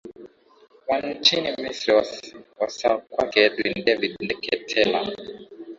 wa nchini misri wasaa kwake edwin david ndeketela